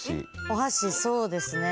お箸そうですね。